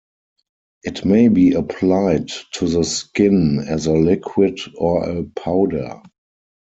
It may be applied to the skin as a liquid or a powder.